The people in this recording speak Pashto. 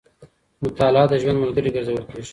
مطالعه د ژوند ملګری ګرځول کېږي.